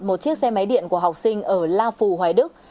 một chiếc xe máy điện của học sinh ở la phù hoài đức